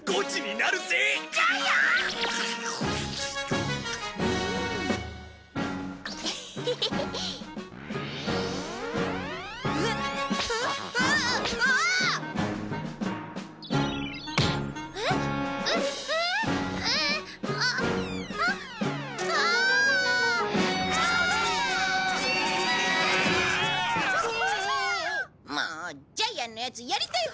もうジャイアンのやつやりたい放題だ！